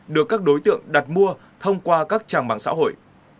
được các đối tượng đặt mua thông qua các trang mạng xã hội